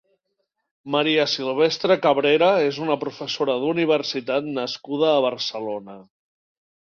María Silvestre Cabrera és una professora d'universitat nascuda a Barcelona.